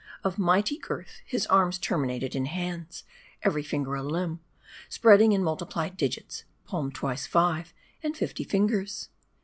Of mighty girth, his arms terminated in hands, every finger a limb, spreading in multiplied digits : palms twice five, and fifty fingers.